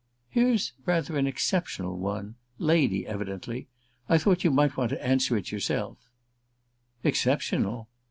"Here's rather an exceptional one lady, evidently. I thought you might want to answer it yourself " "Exceptional?"